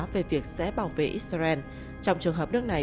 về việc sẽ bảo vệ israel trong trường hợp nước này